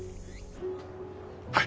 はい。